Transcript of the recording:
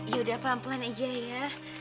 yaudah pelan pelan aja ya